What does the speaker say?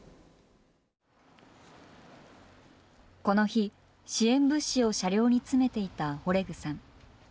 この日、支援物資を車両に詰めていたオレグさん。